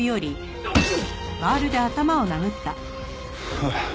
おい！